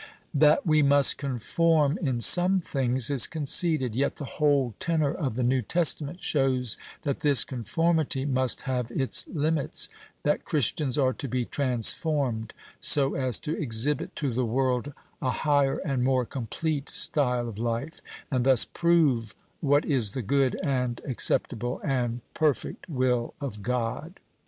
That we must conform in some things, is conceded; yet the whole tenor of the New Testament shows that this conformity must have its limits that Christians are to be transformed, so as to exhibit to the world a higher and more complete style of life, and thus "prove what is the good, and acceptable, and perfect will of God."